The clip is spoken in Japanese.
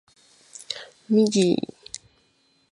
ミギー